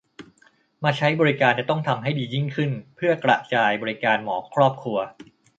มาใช้บริการจะต้องทำให้ดียิ่งขึ้นเพื่อกระจายบริการหมอครอบครัว